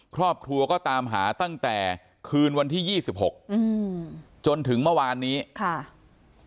ครอบครัวก็ตามหาตั้งแต่คืนวันที่ยี่สิบหกอืมจนถึงเมื่อวานนี้ค่ะ